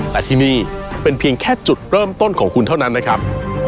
แต่ที่นี่เป็นเพียงแค่จุดเริ่มต้นของคุณเท่านั้นนะครับ